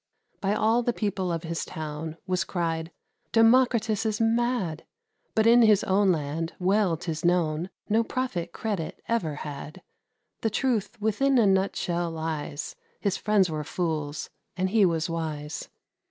By all the people of his town Was cried, "Democritus is mad!" But in his own land, well 'tis known, No prophet credit ever had. The truth within a nutshell lies: His friends were fools, and he was wise.